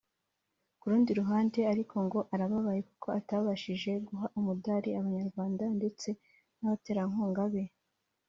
Ku rundi ruhande ariko ngo arababaye kuko atabashije guha umudari Abanyarwanda ndetse n’abaterankunga be